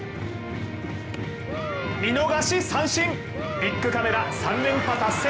見逃し三振、ビックカメラ３連覇達成。